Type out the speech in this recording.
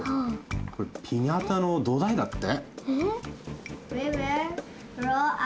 これピニャータのどだいだって。